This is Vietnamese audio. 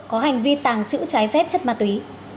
có hành vi tàng trữ trái phép chất ma túy